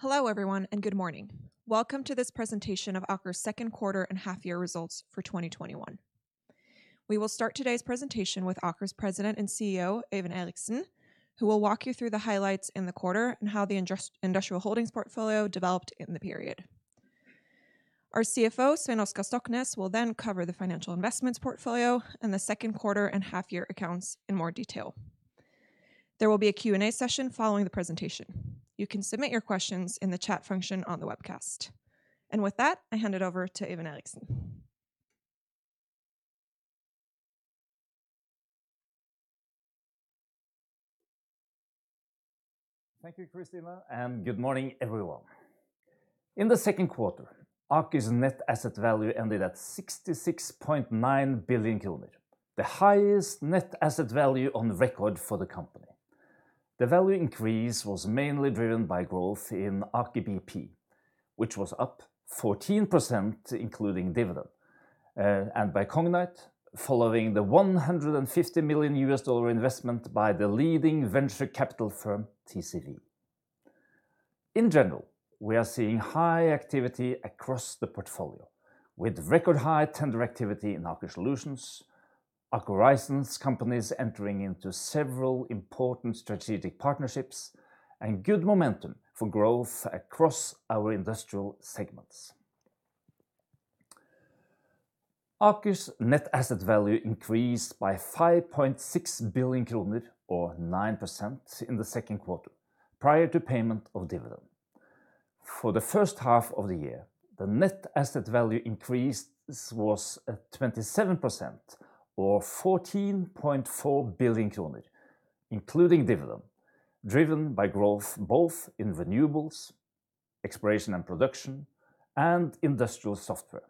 Hello everyone, good morning. Welcome to this presentation of Aker's Second Quarter and Half Year Results for 2021. We will start today's presentation with Aker's President and CEO, Øyvind Eriksen, who will walk you through the highlights in the quarter and how the industrial holdings portfolio developed in the period. Our CFO, Svein Oskar Stoknes, will cover the financial investments portfolio in the second quarter and half year accounts in more detail. There will be a Q&A session following the presentation. You can submit your questions in the chat function on the webcast. With that, I hand it over to Øyvind Eriksen. Thank you, Christina, and good morning, everyone. In the second quarter, Aker's net asset value ended at 66.9 billion kroner, the highest net asset value on record for the company. The value increase was mainly driven by growth in Aker BP, which was up 14% including dividend, and by Cognite following the $150 million investment by the leading venture capital firm TCV. In general, we are seeing high activity across the portfolio, with record high tender activity in Aker Solutions, Aker Horizons companies entering into several important strategic partnerships, and good momentum for growth across our industrial segments. Aker's net asset value increased by 5.6 billion kroner, or 9%, in the second quarter, prior to payment of dividend. For the first half of the year, the net asset value increase was at 27%, or 14.4 billion kroner, including dividend, driven by growth both in renewables, exploration and production, and industrial software.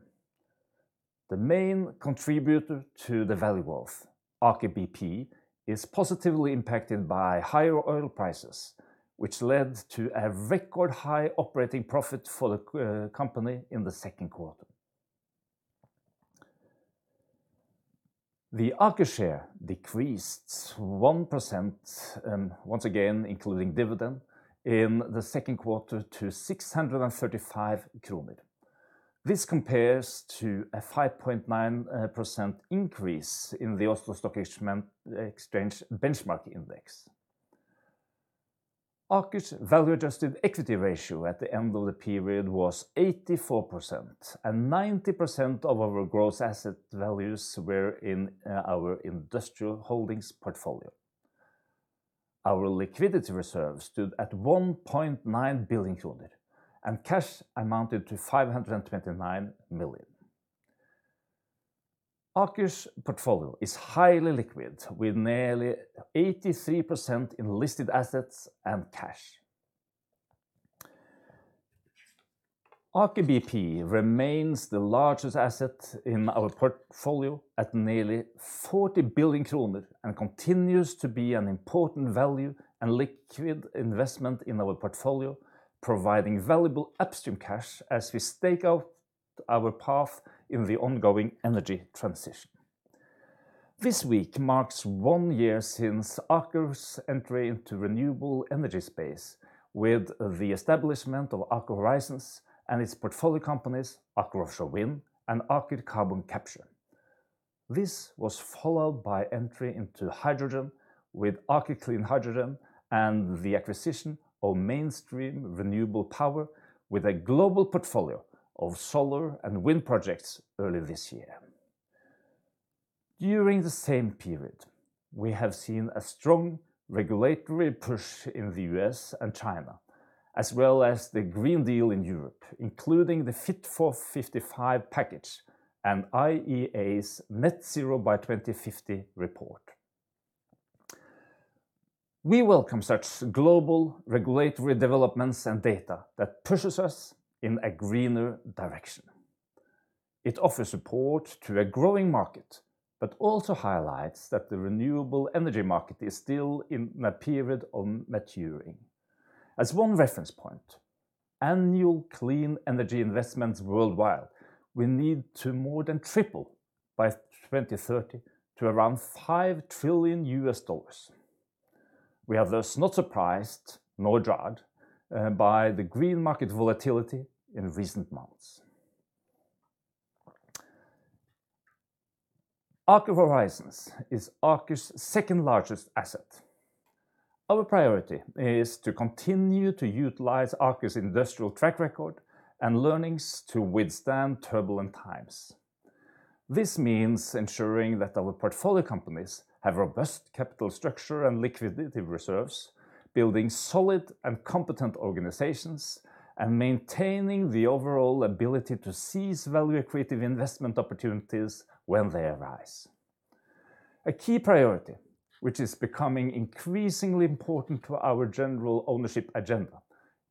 The main contributor to the value growth, Aker BP, is positively impacted by higher oil prices, which led to a record high operating profit for the company in the second quarter. The Aker share decreased 1%, once again including dividend, in the second quarter to 635 kroner. This compares to a 5.9% increase in the Oslo Stock Exchange benchmark index. Aker's value adjusted equity ratio at the end of the period was 84%, and 90% of our gross asset values were in our industrial holdings portfolio. Our liquidity reserve stood at 1.9 billion kroner, and cash amounted to 529 million. Aker's portfolio is highly liquid, with nearly 83% in listed assets and cash. Aker BP remains the largest asset in our portfolio at nearly 40 billion kroner and continues to be an important value and liquid investment in our portfolio, providing valuable upstream cash as we stake out our path in the ongoing energy transition. This week marks one year since Aker's entry into renewable energy space with the establishment of Aker Horizons and its portfolio companies, Aker Offshore Wind and Aker Carbon Capture. This was followed by entry into hydrogen with Aker Clean Hydrogen and the acquisition of Mainstream Renewable Power with a global portfolio of solar and wind projects early this year. During the same period, we have seen a strong regulatory push in the U.S. and China, as well as the Green Deal in Europe, including the Fit for 55 package and IEA's Net Zero by 2050 report. We welcome such global regulatory developments and data that pushes us in a greener direction. It offers support to a growing market, but also highlights that the renewable energy market is still in a period of maturing. As one reference point, annual clean energy investments worldwide will need to more than triple by 2030 to around $5 trillion. We are thus not surprised, nor jarred, by the green market volatility in recent months. Aker Horizons is Aker's second largest asset. Our priority is to continue to utilize Aker's industrial track record and learnings to withstand turbulent times. This means ensuring that our portfolio companies have robust capital structure and liquidity reserves, building solid and competent organizations, and maintaining the overall ability to seize value creative investment opportunities when they arise. A key priority, which is becoming increasingly important to our general ownership agenda,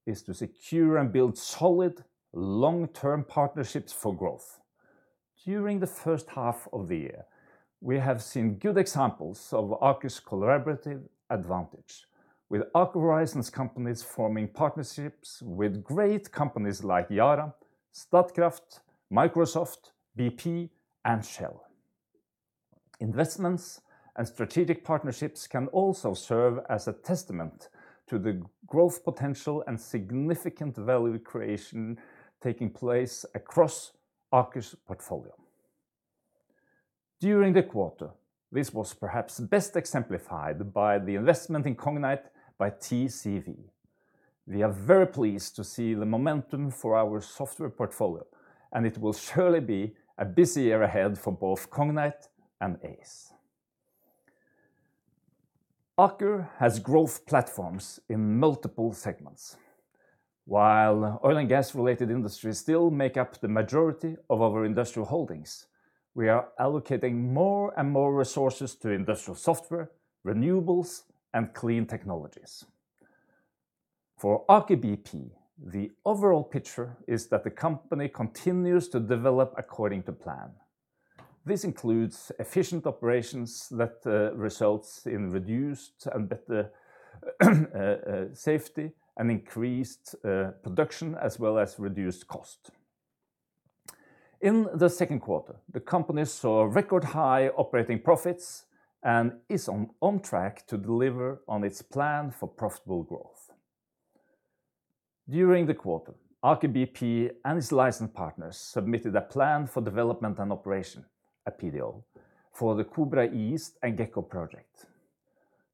is to secure and build solid long-term partnerships for growth. During the first half of the year, we have seen good examples of Aker's collaborative advantage, with Aker Horizons companies forming partnerships with great companies like Yara, Statkraft, Microsoft, BP, and Shell. Investments and strategic partnerships can also serve as a testament to the growth potential and significant value creation taking place across Aker's portfolio. During the quarter, this was perhaps best exemplified by the investment in Cognite by TCV. We are very pleased to see the momentum for our software portfolio, and it will surely be a busy year ahead for both Cognite and Aize. Aker has growth platforms in multiple segments. While oil and gas related industries still make up the majority of our industrial holdings, we are allocating more and more resources to industrial software, renewables, and clean technologies. For Aker BP, the overall picture is that the company continues to develop according to plan. This includes efficient operations that results in reduced and better safety and increased production as well as reduced cost. In the second quarter, the company saw record high operating profits and is on track to deliver on its plan for profitable growth. During the quarter, Aker BP and its license partners submitted a plan for development and operation, a PDO, for the Kobra East and Gekko project.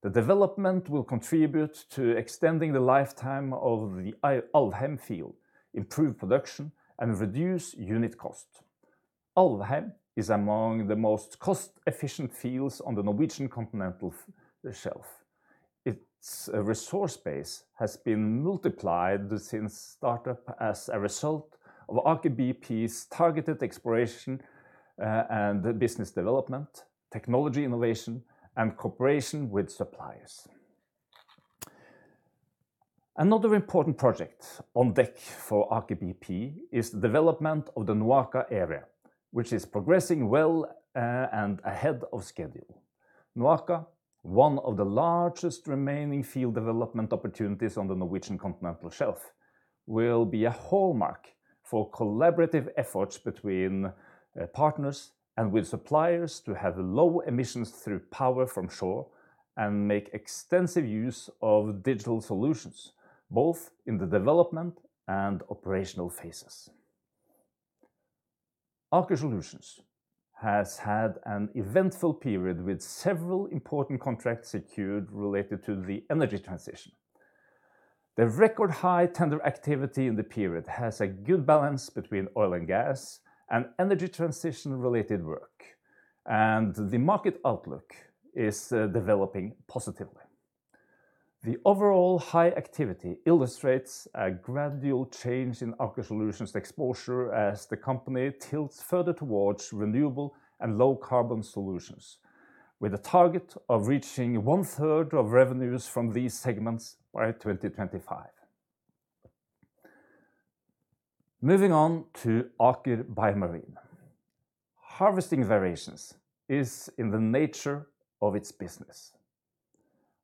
The development will contribute to extending the lifetime of the Alvheim field, improve production, and reduce unit cost. Alvheim is among the most cost-efficient fields on the Norwegian continental shelf. Its resource base has been multiplied since startup as a result of Aker BP's targeted exploration and business development, technology innovation, and cooperation with suppliers. Another important project on deck for Aker BP is the development of the NOAKA area, which is progressing well and ahead of schedule. NOAKA, one of the largest remaining field development opportunities on the Norwegian continental shelf, will be a hallmark for collaborative efforts between partners and with suppliers to have low emissions through power from shore and make extensive use of digital solutions, both in the development and operational phases. Aker Solutions has had an eventful period with several important contracts secured related to the energy transition. The record high tender activity in the period has a good balance between oil and gas and energy transition-related work, and the market outlook is developing positively. The overall high activity illustrates a gradual change in Aker Solutions' exposure as the company tilts further towards renewable and low carbon solutions with a target of reaching 1/3 of revenues from these segments by 2025. Moving on to Aker BioMarine. Harvesting variations is in the nature of its business.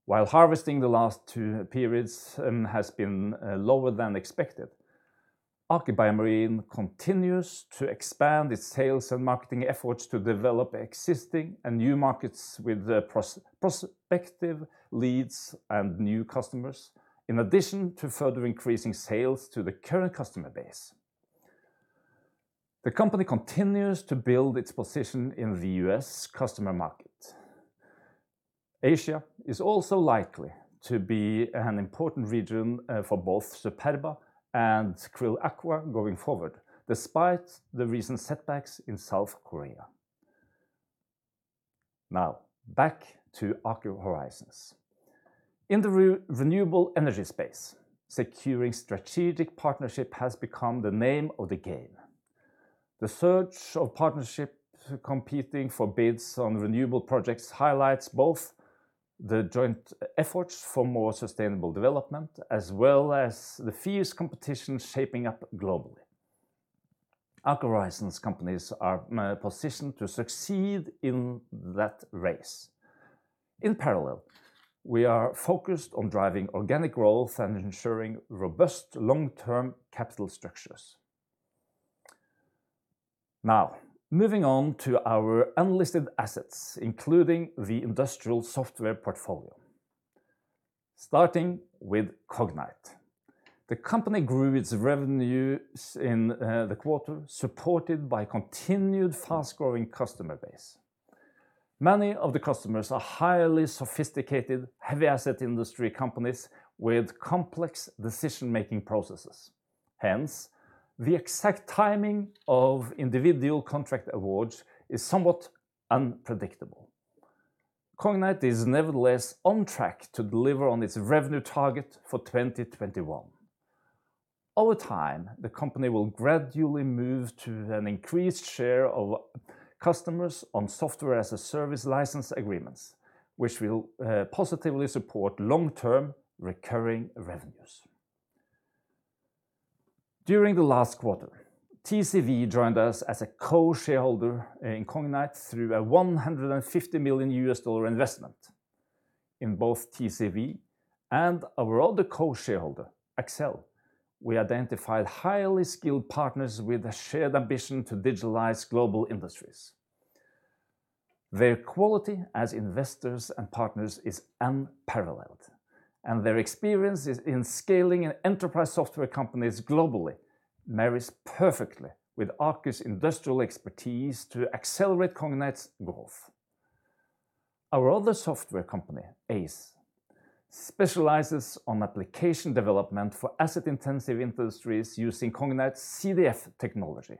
While harvesting the last two periods has been lower than expected, Aker BioMarine continues to expand its sales and marketing efforts to develop existing and new markets with prospective leads and new customers, in addition to further increasing sales to the current customer base. The company continues to build its position in the U.S. customer market. Asia is also likely to be an important region for both Superba and QRILL Aqua going forward, despite the recent setbacks in South Korea. Back to Aker Horizons. In the renewable energy space, securing strategic partnership has become the name of the game. The search of partnership competing for bids on renewable projects highlights both the joint efforts for more sustainable development, as well as the fierce competition shaping up globally. Aker Horizons companies are positioned to succeed in that race. In parallel, we are focused on driving organic growth and ensuring robust long-term capital structures. Now, moving on to our unlisted assets, including the industrial software portfolio. Starting with Cognite. The company grew its revenues in the quarter, supported by continued fast-growing customer base. Many of the customers are highly sophisticated, heavy asset industry companies with complex decision-making processes. Hence, the exact timing of individual contract awards is somewhat unpredictable. Cognite is nevertheless on track to deliver on its revenue target for 2021. Over time, the company will gradually move to an increased share of customers on Software-as-a-Service license agreements, which will positively support long-term recurring revenues. During the last quarter, TCV joined us as a co-shareholder in Cognite through a $150 million investment. In both TCV and our other co-shareholder, Accel, we identified highly skilled partners with a shared ambition to digitalize global industries. Their quality as investors and partners is unparalleled, and their experience in scaling enterprise software companies globally marries perfectly with Aker's industrial expertise to accelerate Cognite's growth. Our other software company, Aize, specializes on application development for asset-intensive industries using Cognite CDF technology.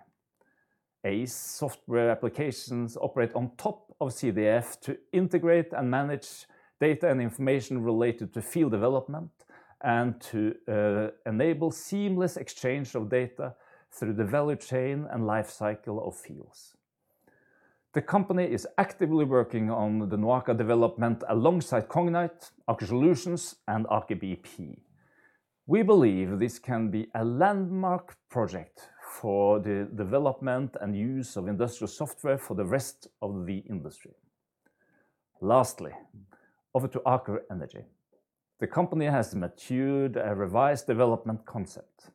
Aize software applications operate on top of CDF to integrate and manage data and information related to field development, and to enable seamless exchange of data through the value chain and life cycle of fields. The company is actively working on the NOAKA development alongside Cognite, Aker Solutions, and Aker BP. We believe this can be a landmark project for the development and use of industrial software for the rest of the industry. Lastly, over to Aker Energy. The company has matured a revised development concept.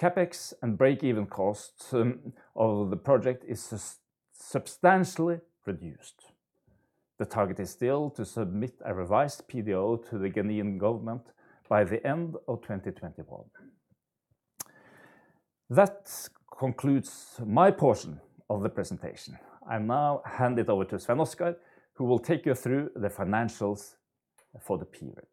CapEx and break-even costs of the project is substantially reduced. The target is still to submit a revised PDO to the Ghanaian government by the end of 2021. That concludes my portion of the presentation. I now hand it over to Svein Oskar, who will take you through the financials for the period.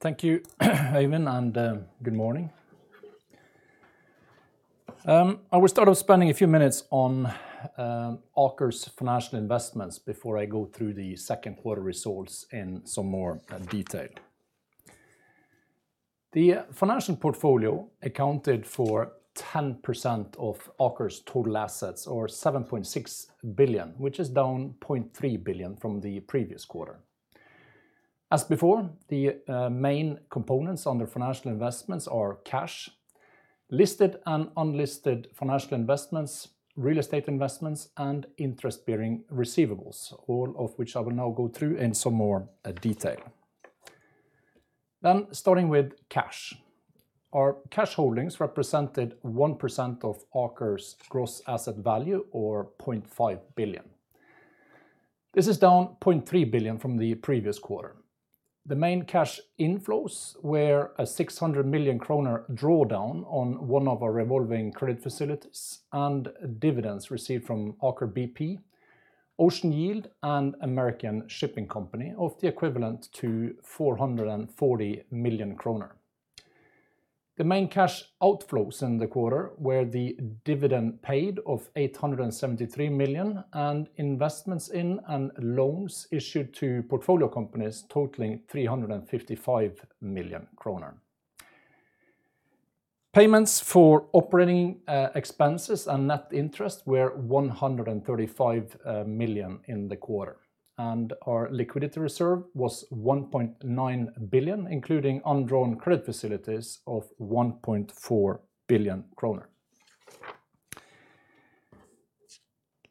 Thank you, Øyvind, and good morning. I will start off spending a few minutes on Aker's financial investments before I go through the second quarter results in some more detail. The financial portfolio accounted for 10% of Aker's total assets, or 7.6 billion, which is down 0.3 billion from the previous quarter. As before, the main components under financial investments are cash, listed and unlisted financial investments, real estate investments, and interest-bearing receivables, all of which I will now go through in some more detail. Starting with cash. Our cash holdings represented 1% of Aker's gross asset value, or 0.5 billion. This is down 0.3 billion from the previous quarter. The main cash inflows were a 600 million kroner drawdown on one of our revolving credit facilities and dividends received from Aker BP, Ocean Yield, and American Shipping Company of the equivalent to 440 million kroner. The main cash outflows in the quarter were the dividend paid of 873 million and investments in and loans issued to portfolio companies totaling 355 million kroner. Payments for operating expenses and net interest were 135 million in the quarter, and our liquidity reserve was 1.9 billion, including undrawn credit facilities of 1.4 billion kroner.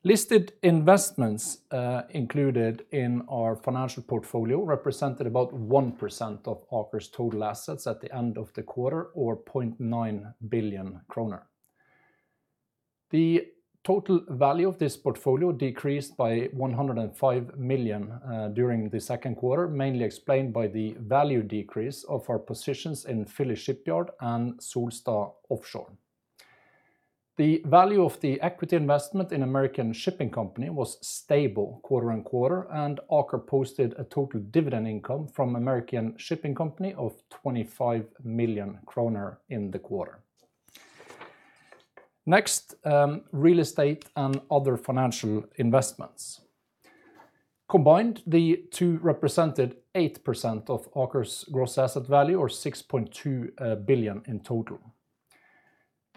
Listed investments included in our financial portfolio represented about 1% of Aker's total assets at the end of the quarter, or 0.9 billion kroner. The total value of this portfolio decreased by 105 million during the second quarter, mainly explained by the value decrease of our positions in Philly Shipyard and Solstad Offshore. The value of the equity investment in American Shipping Company was stable quarter-on-quarter, and Aker posted a total dividend income from American Shipping Company of 25 million kroner in the quarter. Next, real estate and other financial investments. Combined, the two represented 8% of Aker's gross asset value, or 6.2 billion in total.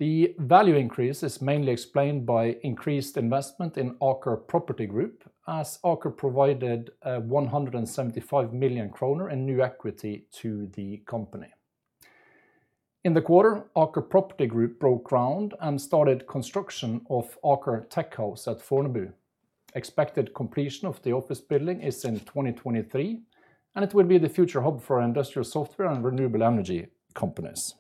The value increase is mainly explained by increased investment in Aker Property Group, as Aker provided 175 million kroner in new equity to the company. In the quarter, Aker Property Group broke ground and started construction of Aker Tech House at Fornebu. Expected completion of the office building is in 2023. It will be the future hub for our industrial software and renewable energy companies.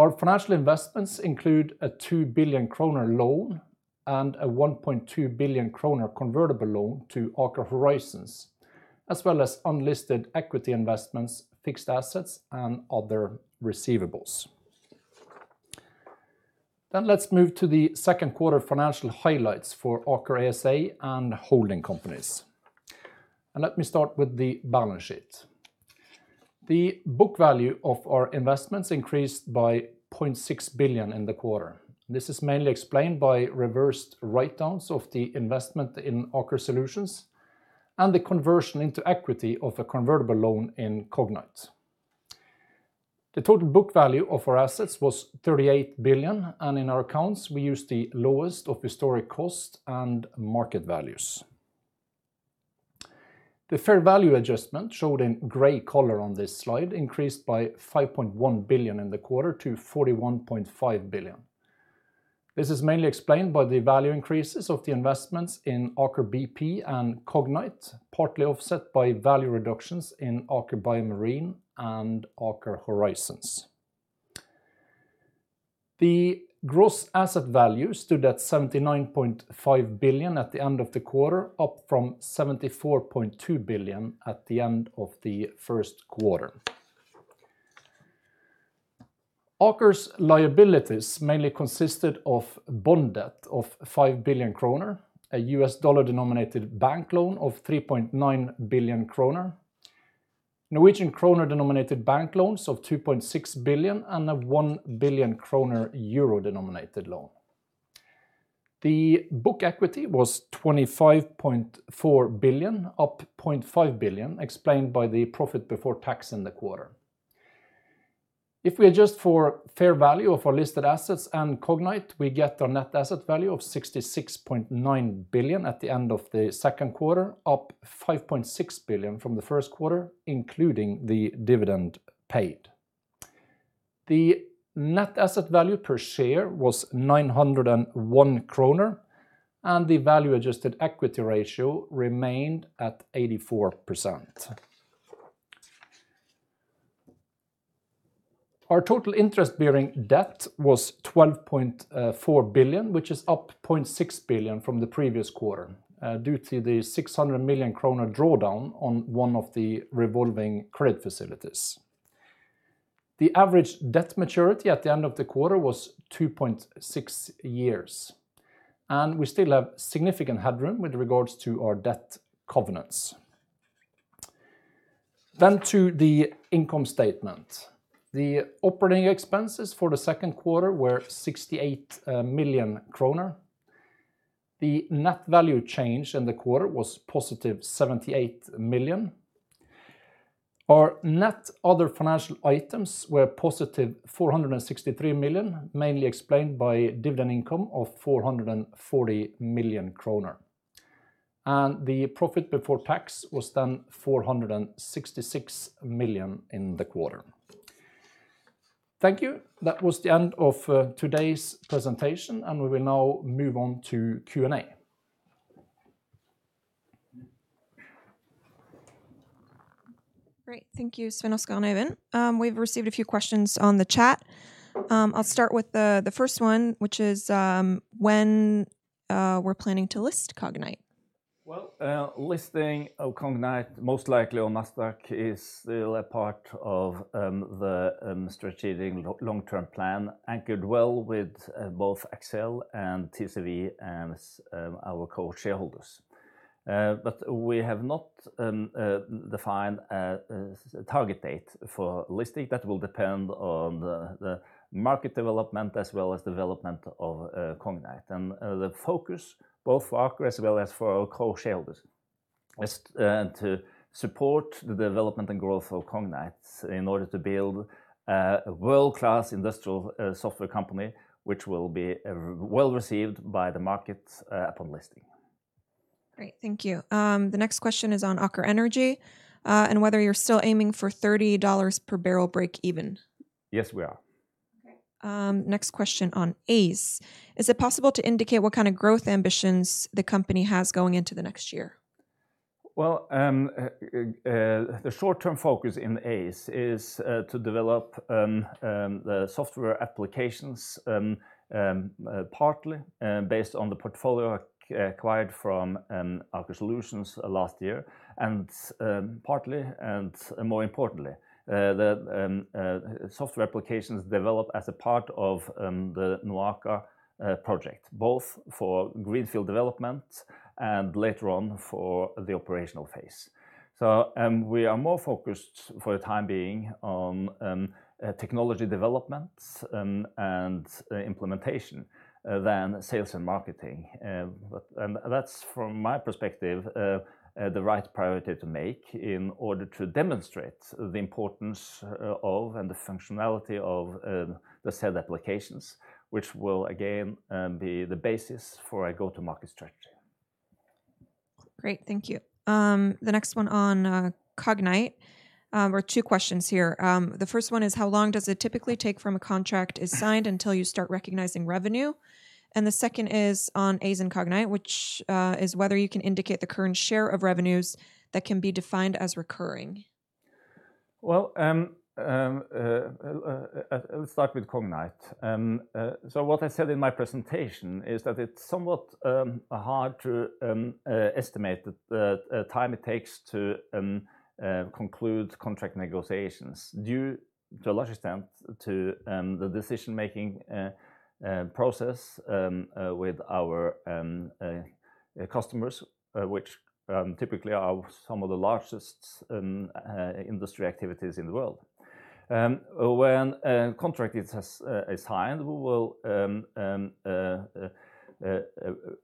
Our financial investments include a 2 billion kroner loan and a 1.2 billion kroner convertible loan to Aker Horizons, as well as unlisted equity investments, fixed assets, and other receivables. Let's move to the second quarter financial highlights for Aker ASA and holding companies. Let me start with the balance sheet. The book value of our investments increased by 0.6 billion in the quarter. This is mainly explained by reversed write-downs of the investment in Aker Solutions and the conversion into equity of a convertible loan in Cognite. The total book value of our assets was 38 billion, and in our accounts, we used the lowest of historic cost and market values. The fair value adjustment showed in gray color on this slide increased by 5.1 billion in the quarter to 41.5 billion. This is mainly explained by the value increases of the investments in Aker BP and Cognite, partly offset by value reductions in Aker BioMarine and Aker Horizons. The gross asset value stood at 79.5 billion at the end of the quarter, up from 74.2 billion at the end of the first quarter. Aker's liabilities mainly consisted of bond debt of 5 billion kroner, a US dollar-denominated bank loan of 3.9 billion kroner, Norwegian kroner-denominated bank loans of 2.6 billion, and a 1 billion kroner euro-denominated loan. The book equity was 25.4 billion, up 0.5 billion, explained by the profit before tax in the quarter. If we adjust for fair value of our listed assets and Cognite, we get our net asset value of 66.9 billion at the end of the second quarter, up 5.6 billion from the first quarter, including the dividend paid. The net asset value per share was 901 kroner, and the value adjusted equity ratio remained at 84%. Our total interest-bearing debt was 12.4 billion, which is up 0.6 billion from the previous quarter due to the 600 million kroner drawdown on one of the revolving credit facilities. The average debt maturity at the end of the quarter was 2.6 years, and we still have significant headroom with regards to our debt covenants. To the income statement. The operating expenses for the second quarter were 68 million kroner. The net value change in the quarter was positive 78 million. Our net other financial items were positive 463 million, mainly explained by dividend income of 440 million kroner. The profit before tax was then 466 million in the quarter. Thank you. That was the end of today's presentation, and we will now move on to Q&A. Great. Thank you, Svein Oskar Stoknes. We've received a few questions on the chat. I'll start with the first one, which is when we're planning to list Cognite. Well, listing of Cognite, most likely on Nasdaq, is still a part of the strategic long-term plan, anchored well with both Accel and TCV and our co-shareholders. We have not defined a target date for listing. That will depend on the market development as well as development of Cognite. The focus both for Aker as well as for our co-shareholders is to support the development and growth of Cognite in order to build a world-class industrial software company, which will be well-received by the market upon listing. Great. Thank you. The next question is on Aker Energy and whether you're still aiming for $30 per barrel breakeven. Yes, we are. Okay. Next question on Aize. Is it possible to indicate what kind of growth ambitions the company has going into the next year? Well, the short-term focus in Aize is to develop the software applications, partly based on the portfolio acquired from Aker Solutions last year, and partly, and more importantly, the software applications developed as a part of the NOAKA project, both for greenfield development and later on for the operational phase. We are more focused for the time being on technology development and implementation than sales and marketing. That's, from my perspective, the right priority to make in order to demonstrate the importance of and the functionality of the said applications, which will again be the basis for a Go-To-Market strategy. Great. Thank you. The next one on Cognite, or two questions here. The first one is how long does it typically take from a contract is signed until you start recognizing revenue? The second is on Aize and Cognite, which is whether you can indicate the current share of revenues that can be defined as recurring. Well, let's start with Cognite. What I said in my presentation is that it's somewhat hard to estimate the time it takes to conclude contract negotiations due to a large extent to the decision-making process with our customers, which typically are some of the largest industry activities in the world. When a contract is signed, we will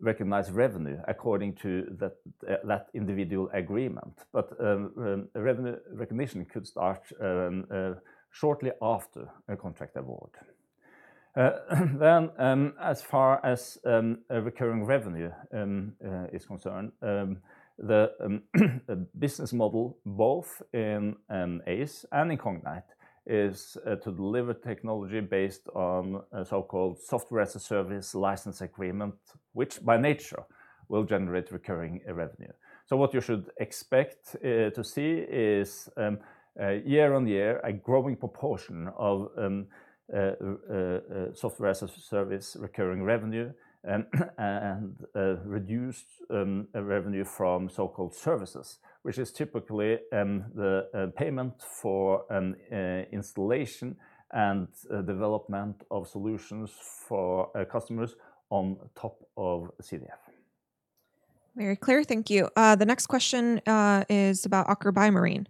recognize revenue according to that individual agreement. Revenue recognition could start shortly after a contract award. As far as recurring revenue is concerned, the business model both in Aize and in Cognite is to deliver technology based on a so-called software as a service license agreement, which by nature will generate recurring revenue. What you should expect to see is year-on-year, a growing proportion of software as a service recurring revenue and reduced revenue from so-called services, which is typically the payment for an installation and development of solutions for customers on top of CDF. Very clear. Thank you. The next question is about Aker BioMarine.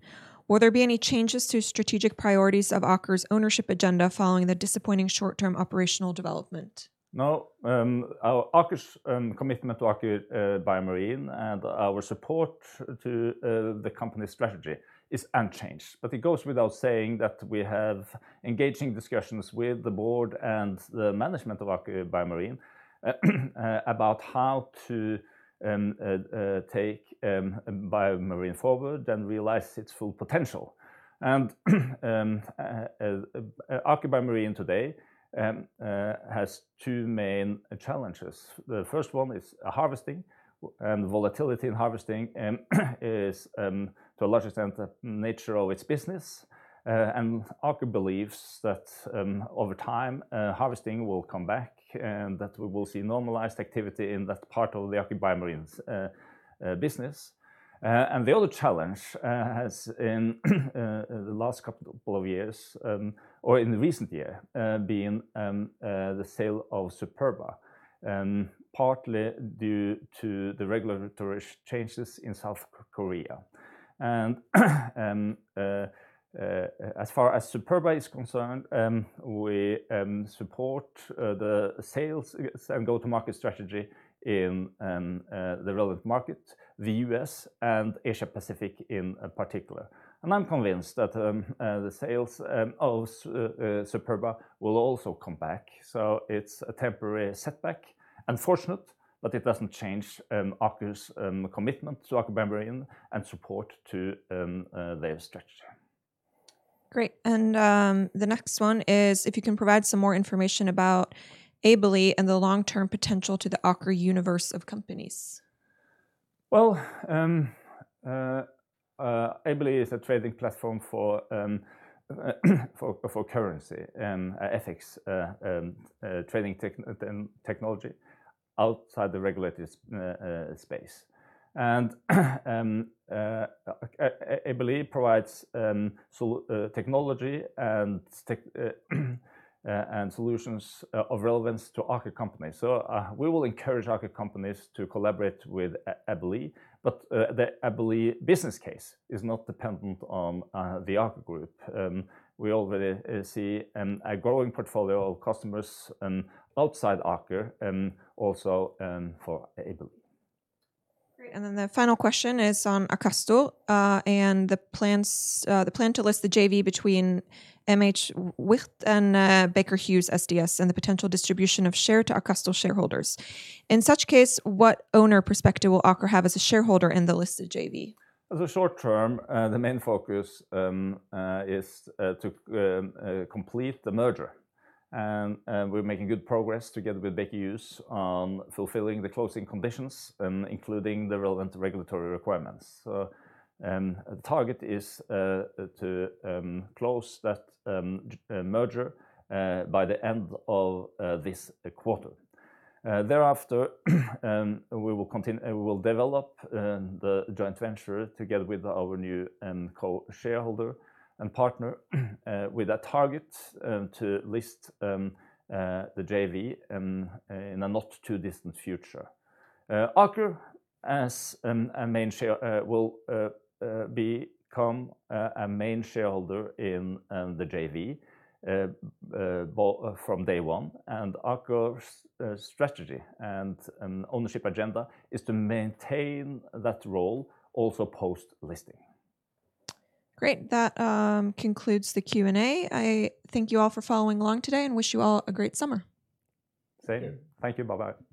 Will there be any changes to strategic priorities of Aker's ownership agenda following the disappointing short-term operational development? No. Aker's commitment to Aker BioMarine and our support to the company strategy is unchanged. It goes without saying that we have engaging discussions with the board and the management of Aker BioMarine about how to take BioMarine forward and realize its full potential. Aker BioMarine today has two main challenges. The first one is harvesting and volatility in harvesting is to a large extent the nature of its business. Aker believes that over time, harvesting will come back and that we will see normalized activity in that part of the Aker BioMarine's business. The other challenge has in the last couple of years, or in the recent year, been the sale of Superba, partly due to the regulatory changes in South Korea. As far as Superba is concerned, we support the sales and Go-To-Market strategy in the relevant market, the U.S. and Asia Pacific in particular. I'm convinced that the sales of Superba will also come back. It's a temporary setback. Unfortunate, but it doesn't change Aker's commitment to Aker BioMarine and support to their strategy. Great. The next one is if you can provide some more information about [Aize] and the long-term potential to the Aker universe of companies? Well, [Aize] is a trading platform for currency, FX trading technology outside the regulated space. Aize provides technology and solutions of relevance to Aker companies. We will encourage Aker companies to collaborate with [Aize], but the [Aize] business case is not dependent on the Aker group. We already see a growing portfolio of customers outside Aker and also for [Aize]. Great. The final question is on Akastor, and the plan to list the JV between MHWirth and Baker Hughes SDS and the potential distribution of share to Akastor shareholders. In such case, what owner perspective will Aker have as a shareholder in the listed JV? As a short-term, the main focus is to complete the merger, and we're making good progress together with Baker Hughes on fulfilling the closing conditions, including the relevant regulatory requirements. The target is to close that merger by the end of this quarter. Thereafter, we will develop the joint venture together with our new co-shareholder and partner with a target to list the JV in a not-too-distant future. Aker will become a main shareholder in the JV from day one and Aker's strategy and ownership agenda is to maintain that role also post-listing. Great. That concludes the Q&A. I thank you all for following along today and wish you all a great summer. Same. Same. Thank you. Bye-bye.